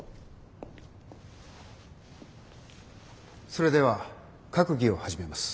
それでは閣議を始めます。